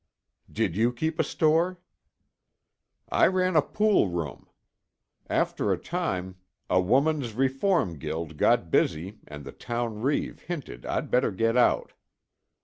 "Did you keep a store?" "I ran a pool room. After a time, a women's reform guild got busy and the town reeve hinted I'd better get out."